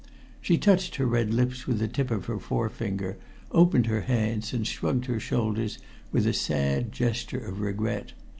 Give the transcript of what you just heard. She touched her red lips with the tip of her forefinger, opened her hands, and shrugged her shoulders with a sad gesture of regret.